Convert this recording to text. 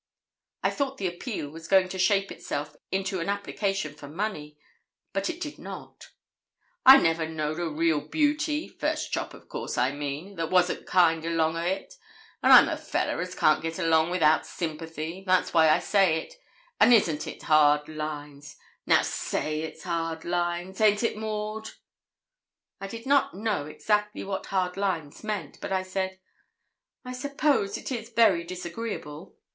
I thought the appeal was going to shape itself into an application for money; but it did not. 'I never know'd a reel beauty first chop, of course, I mean that wasn't kind along of it, and I'm a fellah as can't git along without sympathy that's why I say it an' isn't it hard lines? Now, say it's hard lines haint it, Maud?' I did not know exactly what hard lines meant, but I said 'I suppose it is very disagreeable.'